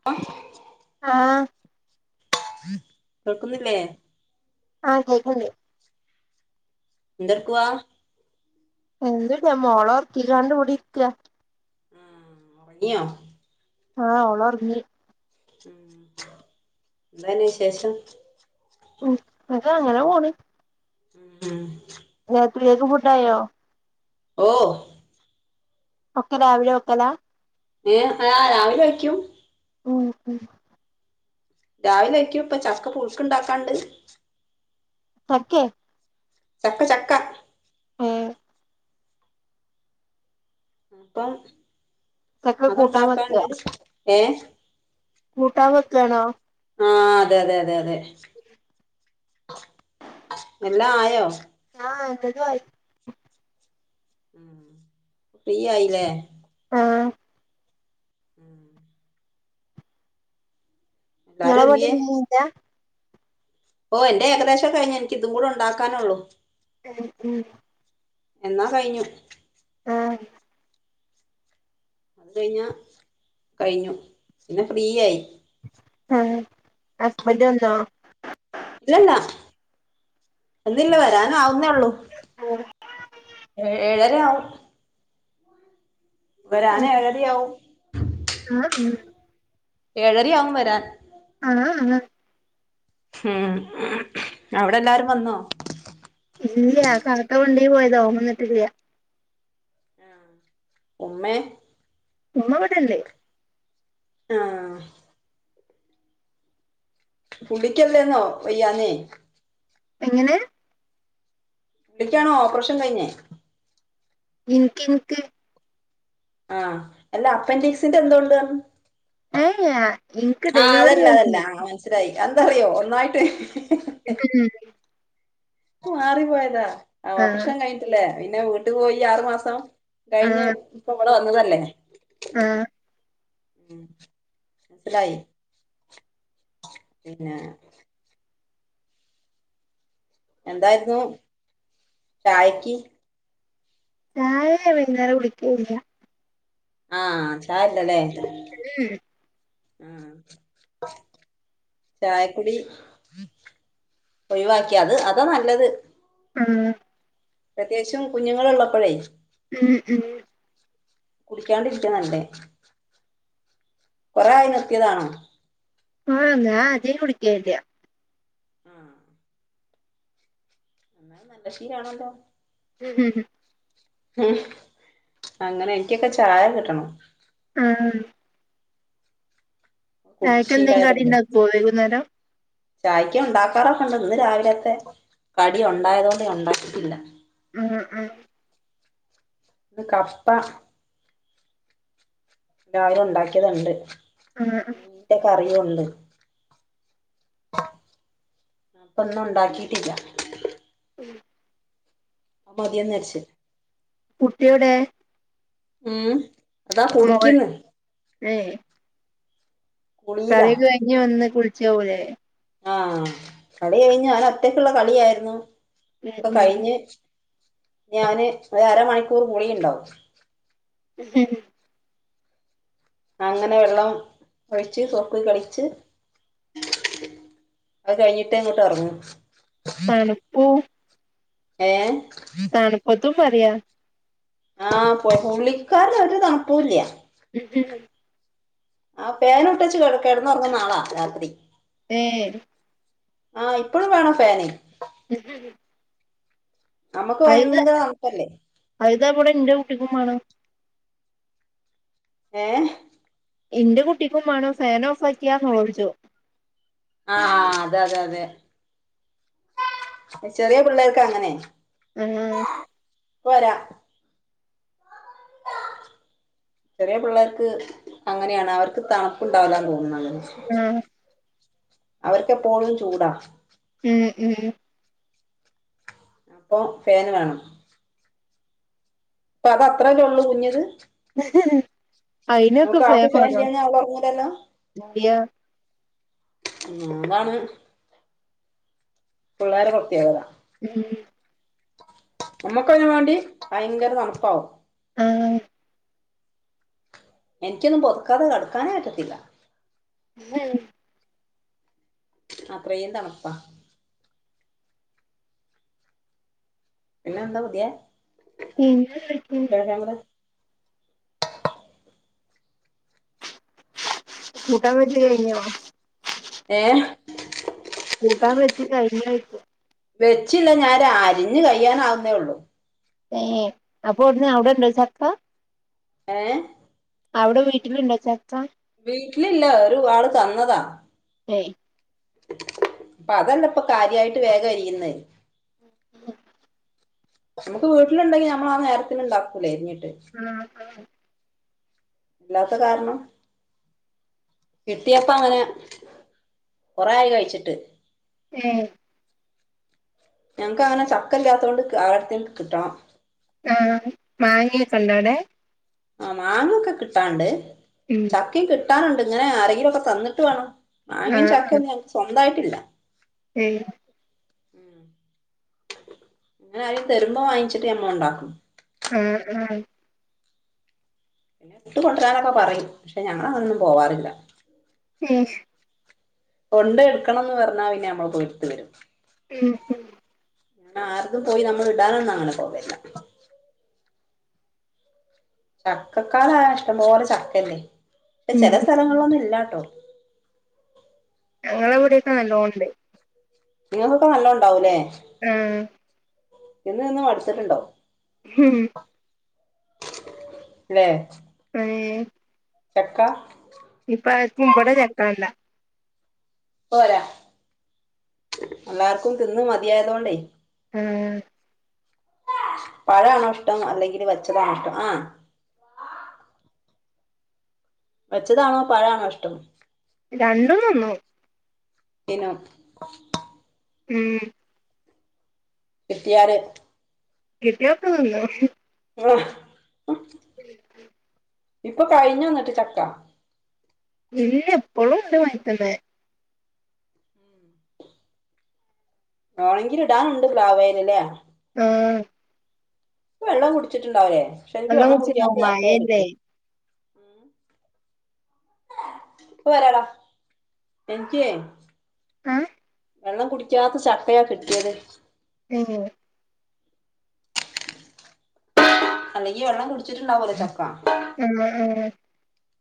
[inaudible] ആഹ് കേക്കുന്നില്ലേ ആ കേക്കണ്ട് എന്തർക്കുവാ എന്ട്ടാ മോള ഒറക്കികാണ്ട് പൂടിരിക്ക ആഹ് ഒറങ്ങിയോ ആഹ് ഓളോർങി ഉം ന്താന്ന് വിശേഷം ഉം ഇതങ്ങനെ പോണ് ഉം ഉം രാത്രിയൊക്ക് ഫുഡായോ ഓഹ് ഒക്കെ രാവിലെ ഒക്കല ഏഹ് ആഹ് രാവിലെ വയ്ക്കും ഉം ഉം രാവിലെ വെയ്ക്കും ഇപ്പൊ ചക്ക പൂയ്ക്ക ഉണ്ടാക്കാണ്ട് ക്കേ ചക്ക ചക്ക ഉം അപ്പം ചക്ക കൂട്ടാൻ വെക്കാ അത്ണ്ടാക്കാണ്ട് ഏഹ് കൂട്ടാൻ വക്കണോ ആഹ് അതെയതെയതെ അതെ എല്ലാം ആയോ ആഹ് എല്ലതു ആായി ഫ്രീ ആയില്ലേ ആഹ് ഉം ഇങ്ങളെ എല്ലാരും പണി എന്തിയേ കഴിഞീലാ ഓഹ് എന്റെ ഏകദേശം കഴിഞ് എനക്ക് ഇതും കൂടെ ഉണ്ടാക്കാനുള്ളൂ ഉം എന്നാ കഴിഞ്ഞു ആഹ് അത് കഴിഞ്ഞ കഴിഞ്ഞു പിന്നെ ഫ്രീയയി ആഹ് ഹസ്ബൻഡ് വന്നോ ഇല്ലല്ലാ എന്നില്ല വരാ ആവുന്നേ ഉള്ളു ഏ ഏഴരവും വരാന് ഏഴരയാവും ആഹ് ഹ് ഏഴരയാവും വരാൻ ആഹ് ഉം അവിടെ എല്ലാരും വന്നോ ഇല്ല കാക്ക കൊണ്ടീ പോയതാവും വന്നിട്ടില്ല ഉമ്മേ ഉമ്മബടെണ്ട് ആഹ് പുള്ളിക്കല്ലേന്നോ വയ്യാനേ എങ്ങനെ പുള്ളിക്കാണോ ഓപ്പറേഷൻ കഴിഞ്ഞേ ഇൻക്ക് ഇൻക്ക് ആഹ് എല്ല അപ്പൻറിക്സിന്റെ എന്തൊണ്ട് പറഞ്ഞ് ഏയ് എനിക്ക് ആഹ് ഡെലിവറി അതല്ല അതല്ല കഴിഞ്ഞ് ആ മനസ്സിലായി എന്തറിയോ ഒന്നായിട്ട് [unintelligible] മാറി പോയതാ ആഹ് ഓപ്പറേഷൻ കഴിഞ്ഞിട്ടില്ലേ പിന്നെ വീട്ടു പോയി ആറു മാസം കഴിഞ്ഞ് ആഹ് ഇപ്പൊ അവടെ വന്നതല്ലേ ആഹ് ഉം സിലായി പിന്നെ എന്തായിരുന്നു ചായക്ക് ചായെ വൈകുന്നേരം കുടിക്കുല്ല ആഹ് ചായല്ലല്ലേ ഉം ആഹ് ചായക്കുടി ഒഴിവാക്കിയ അത് അതാ നല്ലത് ഉം പ്രത്യേകശിച്ചും കുഞ്ഞുങ്ങളൾള്ളപ്പോഴേ ഉം ഉം കുടിക്കാണ്ടിരിക്കാ നല്ലത് കൊറെേ ആയി നിത്തിയതാണോ ആഹ് ഞ അതെ കുടിക്കലില്ല ആഹ് ന്നാ നല്ല ശീലണല്ലോ ഉം ഉം ഉ ഉം അങ്ങനെ എനിക്കൊക്കെ ചായ കിട്ടണം ആം കുടിച്ച് ചായക്ക് എന്തേ കടി ഉണ്ടാക്കൊ വൈകുന്നേരം ചായ്ക്ക ഉണ്ടാക്കാറൊക്കെണ്ട് ഇന്ന് രാവിലത്തെ കടി ഉണ്ടായതു കൊണ്ട് ഉണ്ടാക്കിട്ടില്ല ഉം ഉം ഇന്ന് കപ്പ രാവിലെ ഉണ്ടാക്കിയത്ണ്ട് ആഹ് ആഹ് മീൻന്റെ കറിയുണ്ട് അപ്പ ഒന്നും ഉണ്ടാക്കിട്ടില്ല ഉം പ്പൊതിന്ന് രിച്ച് കുട്ടിയെ വിടെ. ഉം അതാ മോൾ കുളിക്കിന്ന്. ഏഹ്. കുളിയിലാ കളിഒക്കെ കയ്ഞ്ഞ് വന്ന് കുളിച്ചാവൂലെ. ആഹ് കളി കയ്ഞ്ഞ് ഓൻ ഒറ്റക്ക്ള്ള കളിയായിരുന്നു ഇപ്പൊ ഉം കയിഞ്ഞ് ഞാന് ഒര അരമണിക്കൂർ കുളിയിണ്ടാവും. ഉം അങ്ങനെ വെള്ളം ഒഴിച്ച് സോപ്പ് കളിച്ച് അഹ് കയ്ഞ്ഞിട്ടേ ഇങ്ങോട്ട് എറങ്ങൂ. തണുപ്പൂ. ഏഹ് തണ്പ്പത്തുംപറയാ. ആഹ് പുള്ളിക്കാരന് ഒര് തണുപ്പുല്യാ. [inaudible] ആ ഫേനുട്ടച്ച് കെട കെടന്നുറങ്ങും നാളാ രാത്രി. ഏഹ്. ആ ഇപ്പളും വേണം ഫേന്. [inaudible] അമ്ക്ക് ഭയങ്കര തൺപ്പല്ലേ. അഹ്തവ്ടെ ഇന്റെ കുട്ടിക്കുംമാണം. ഏഹ്. ഇന്റെ കുട്ടിക്കുംമാണം ഫേനോ ഫാക്കിയാന്നൊളോൾച്ചും. ആഹ് ആ അതെ അതെ അതെ ചെറ്യാ പിള്ളേർക്ക് അങ്ങനെ. ആഹ്. ഇപ്പരാ. ചെറ്യാ പിള്ളേർക്ക് അങ്ങനെയാണ് അവർക്ക് തണ്പ്പ്ണ്ടാവൂലതോന്ന്ന്നത്. ആഹ്‌. അവർക്കെപ്പോഴും ചൂടാ. മ്മ് മ്മ്. പ്പോം ഫേന് വേണം. അപ്പൊ അത് അത്രല്ലേ ഒള്ളൂ കുഞ്ഞിത്. അയ്നൊക്കെ ഫേൻ ആൾക്ക് ഫാൻ വെണോ ഇല്ലെങ്കിൽ അവൾ ഉറങ്ങൂലല്ലോ അയ. മ് ഇന്നാണ്. പിള്ളേരെ പ്രേത്യേകത. [inaudible] നമ്മക്കയ്നും വേണ്ടി ഭയങ്കര തണ്പ്പാവും. ആഹ്. എനിക്ക്യൊന്നും പൊത്ക്കാതെ കെട്ക്കാനേ പറ്റത്തില്ല. മ്മ്. അത്രേം തണുപ്പാ. പിന്നെന്താ പുത്യേ [unintelligible] [unintelligible] കൂട്ടാൻ വെച്ച് കയ്ഞ്ഞോ? ഏഹ്. കൂട്ടാൻ വെച്ച് കയ്ഞ്ഞോയ്ച്ച. വെച്ചില്ല ഞാൻ രാ അരിഞ് കയ്യാനാവുന്നേ ഒള്ളൂ. ഏഹ് അപ്പോവ്ട്ന്നേ അവിടെണ്ടോ ചക്ക? ഏഹ്. അവ്ടെ വീട്ടില്ണ്ടോ ചക്ക? വീട്ട്ലില്ല ഒരു ആള് തന്നതാ. ഏഹ് അതന്നപ്പം കാര്യായ്ട്ട് വേഗം എരിയ്യ്ന്നെ. [unintelligible] നമുക്ക് വീട്ട്ല്ണ്ടെങ്കി ഞമ്മളാ നേരത്തിന് ഇണ്ടാക്കൂലേ അരിഞ്ഞിട്ട്. ആഹ് ആഹ് ഇല്ലാത്ത കാരണം. കിട്ടിയേപ്പൊ അങ്ങനെ കൊറേ ആയി കഴിച്ചിട്ട്. ഏ ഞങ്ങക്ക് അങ്ങനെ ചക്കല്ലാത്തോണ്ട് ക്ക് ആരെട്ത്തെങ്ങ്ക്ക് കിട്ടണം. ആഹ് മാങ്ങ യൊക്കെ ഇണ്ടോ അവ്ടെ ആഹ് മാങ്ങൊക്കെ കിട്ടാണ്ട്. ഉം ക്കിം കിട്ടാനുണ്ട്. ഇങ്ങനെ ആരെങ്കിലും ഒക്കെ തന്ന്ട്ട് വേണം. മാങ്ങയും ചക്കയൊന്നും ഞങ്ങക്ക് സ്വന്തായിട്ട് ഇല്ല. തേ [unintelligible] അങ്ങനെ ആരേലും തെരുമ്പോ വാങ്ങിച്ചിട്ട് ഞങ്ങളൊണ്ടാക്കും. ആഹ് ആഹ് പിന്നെ ഇട്ട് കൊണ്ട്രാനൊക്കെ പറിയിം. പക്ഷെ ഞങ്ങളതൊന്നും പോവാറില്ല. ഏ കൊണ്ട് എട്ക്കണംന്ന് പറഞ്ഞാൽ പിന്നെ ഞമ്മള് പോയി എടുത്ത് വെരും. ഉം ഉം അങ്ങ്നെ ആര്തും പോയി നമ്മൾ ഇടാനൊന്നും അങ്ങനെ പോവ്വലില്ല. ചക്ക കാലായ ഇഷ്ടംപോലെ ചക്കല്ലേ പക്ഷെ ഉം ചെല സ്ഥലങ്ങളിലൊന്നും ഇല്ലാ ട്ടോ. ഞങ്ങളെ ഇവിടെയൊക്കെ നല്ലോണം ഇണ്ട്. നിങ്ങക്കൊക്കെ നല്ലോം ഇണ്ടാവൂലേ. ആഹ് തിന്ന് തിന്ന് മട്ത്ത്ട്ട്ണ്ടോ. [unintelligible] ലെ പ്പഴേ ചക്ക ഇപ്പാര്ക്കും വ്വടെ ചക്കാണ്ട. ത്തോരാ എല്ലാവർക്കും തിന്ന് മതിയായതോണ്ടേ ആഹ് പഴാണോ ഇഷ്ടം. അല്ലെങ്കില് വച്ചതാണോ ഇഷ്ടം. ആഹ് വച്ചതാണോ പഴാണോ ഇഷ്ടം രണ്ടും തിന്നും തിന്നും ഉം എത്തിയാര് കിട്ടിയാ ഒക്കെ തിന്നും [unintelligible] ഉം ഉം ഇപ്പൊ കഴിഞ്ഞോ ന്നട്ട് ചക്ക. ഇല്ല ഇപ്പള്ളും ഇണ്ട് മര്ത്ത്മ്മെ ഉം വെണെങ്കില് ഇടാനുണ്ട് പ്ലാവേല് ല്ലേ ആഹ് വെള്ളം കുടിച്ചിട്ടുണ്ടാവില്ലേ. പക്ഷെ എനിക്ക് വെള്ളം കുടിച്ചിട്ടുണ്ടാവും കുടിക്കാത്ത ചക്കയെ കിട്ടു. മഴയല്ലേ [inaudible] ഇപ്പവരാടാ എനിക്കേ ആഹ് ഏ വെള്ളം കുടിക്കാത്ത ചട്ക്കയാ കിട്ടിയത് തെ അല്ലെങ്കി ഈ വെള്ളം കുടിച്ചിട്ടുണ്ടാവലെ ചക്ക ആഹ് ഉം [unintelligible]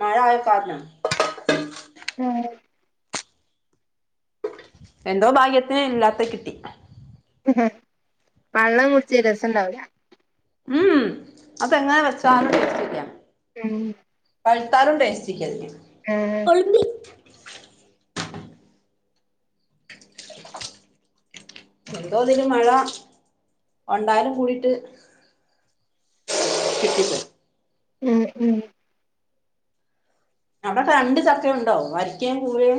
മഴ ആയ കാരണം ആഹ് എന്തോ ഭാഗ്യത്തിന് ഇല്ലാതെ കിട്ടി വെള്ളം കുടിച്ച രസം ഉണ്ടാവില്ല ഉം അപ്പ എങ്ങനെ വെച്ചാന്ന് ടെസ്റ്റ്‌ല്ലാ ഉം പഴുത്താലും ടെസ്റ്റ്‌ല്ല ആഹ് ഓലുമ്പി എന്തോതില് മഴ ഉണ്ടാലും കൂടിട്ട് ശിട്ട [unintelligible] ഉം ഉം രണ്ട് ചക്ക ഉണ്ടോ വരയ്ക്കയും കൂഴയും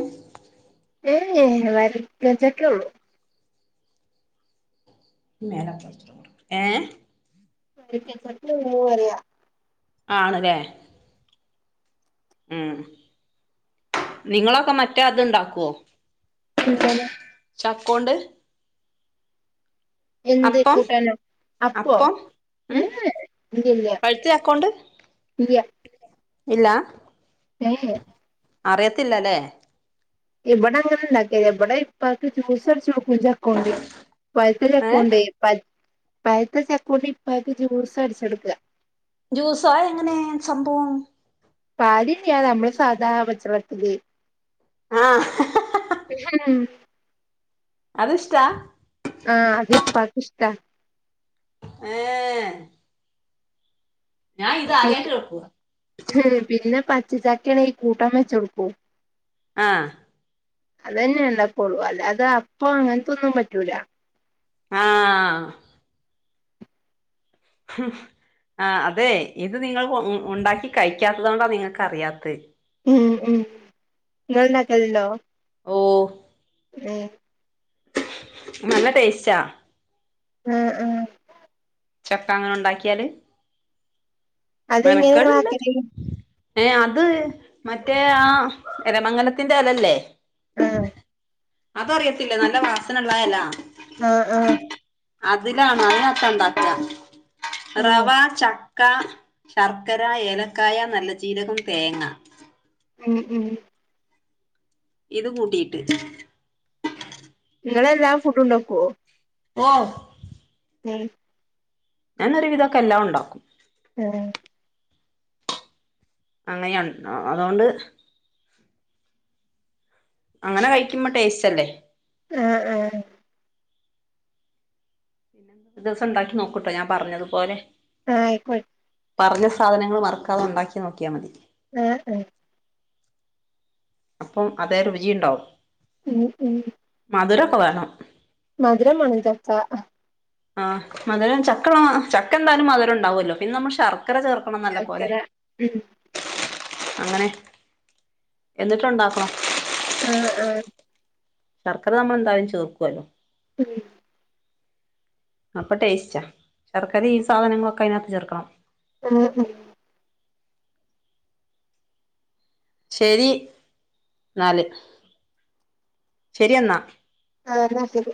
മ് മ്മ് വരക്ക ചക്കള്ളൂ ഏഹ് ന്ന് പറയാ [unintelligible] ആണ് ല്ലേ ഉം നിങ്ങളൊക്കെ മറ്റേ അത്ണ്ടാക്കുവോ എന്തണ്? ചക്കോണ്ട് ന്ത് അപ്പം കൂട്ടാനോ അപ്പൊ അപ്പം ഏ ഉം ഇതില്ല പഴുത്ത ചക്കോണ്ട് ഇല്ല ഇല്ല ഏഹ് അറിയത്തില്ലല്ലേ ഇവടെ അങ്ങനെ ഇണ്ടകാലില്ല ഇവിടെ ഇപ്പക്ക് ജ്യൂസ് അടിച്ചടുക്കും ചാക്കോ ണ്ടെ പഴുത്ത ഏഹ് ചകോണ്ടെ പ പഴത്ത ചക്കുണ്ട് ഇപ്പഴത്തെ ജ്യൂസ് അടിച്ചെടുക്കുക ജ്യൂസാ ആ എങ്ങനെ സംഭവം പാലിന്യ മ്മള് സാധാ പച്ചള്ളത്തില് ആഹ് ഉം അതിഷ്ട ആഹ് ത്പ്പാകിഷ്ട ഏ ഏ ഞാൻ ഇത് പി ആദ്യയട്ട് കേൾക്കുവ പിന്നെ പച്ചചക്കെണ കൂട്ടം വെച്ച കൊടുക്കൂ ആഹ് തന്നെ ഉണ്ടകൊളു അല്ലതെ അപ്പൊ അങ്ങൻത്തൊന്നും പറ്റൂല ആഹ് ആ അതെ ഇത് നിങ്ങൾ ഉണ്ടാക്കി കഴിക്കാത്തത് കൊണ്ടാ നിങ്ങൾക്ക് അറിയാത്ത ഉം ഉം ങ്ങൾ ണ്ടാക്കൽ ണ്ടോ? ഓ മ് നല്ല ടേസ്റ്റാ ഉം ഉം ചക്ക അങ്ങനെ ഉണ്ടാക്കിയാല് അതെങ്ങനെ മെനക്കെട് ഇങ്ങള് ഇണ്ട് ആക്കല് ഏ അത് മറ്റേ ആ എരമംഗലത്ത്ന്റെ എലല്ലേ ആഹ് അതു അറിയത്തില്ലെ നല്ല വാസനള്ള ആ എല ആഹ് ആഹ് അതിലാണ് അതിനകത്ത ഇണ്ടാക്ക ഏഹ് റവാ ച ക്ക ശർക്കര ഏലക്കായ നല്ല ചീരകം തേങ്ങ ഉം ഉം ഇത് കൂട്ടീട്ട് ഇങ്ങളെല്ലാ ഫുഡും ഉണ്ടാക്കൊ ഓ ഉം ഞാനൊരു വിതൊക്കെ എല്ലാം ഉണ്ടാക്കും ഉം അങ്ങനെയ അതുകൊണ്ട് അങ്ങനെ കഴിക്കുമ്പം ടേസ്റ്റ് അല്ലേ ആ് പിന്നെന്താ ഒര് ദിവസം ഇണ്ടാക്കി നോക്കൂട്ടോ ഞാൻ പറഞ്ഞതുപോലെ ആ അയിക്കോ പറഞ്ഞ സാധനങ്ങൾ മറക്കാതെ ഉണ്ടാക്കി നോക്കിയാ മതി ഏ ഏ അപ്പം അതെ രുചിയുണ്ടാവും ഉം ഉം മധുരക്ക വെണം മധുരം മാണം ചച്ചാ ആഹ് മധുരം ചക്ക ചക്കെന്തായാലും മധുരണ്ടാവൊല്ലോ പിന്നെ നമ്മള് ശർ ക്കര ചേർക്കണം നല്ല പോലെ ശർക്കര അങ്ങനെ എന്നിട്ട് ഉണ്ടാക്കും ഉം ഉം ശർക്കര നമ്മളെന്തായാലും ചേർക്കൊല്ലോ ഉം അപ്പ ടേസ്റ്റാ ശർക്കര ഈ സാധനങ്ങളൊക്കെ അഴിനകത്ത് ചേർക്കണം ഉം ഉം ശരി ന്നാല് ശരി എന്നാ ആ ന്നാ ശരി